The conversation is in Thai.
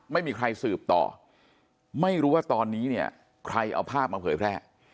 ไม่มีใครสืบต่อไม่รู้ว่าตอนนี้เนี่ยใครเอาภาพมาเผยแพร่